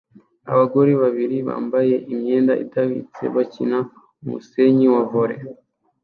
Abagore babiri bambaye imyenda idahwitse bakina umusenyi wa volley